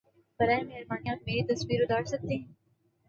براہ مہربانی آپ میری تصویر اتار سکتے